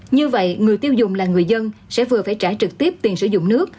như vậy người tiêu dùng là người dân sẽ vừa phải trả trực tiếp tiền sử dụng nước